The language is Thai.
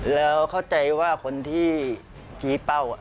แล้วเข้าใจว่าคนที่ชี้เป้า